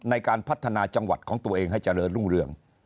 ในการพัฒนาจังหวัดของตัวเองให้เจริญรุ่งเรือง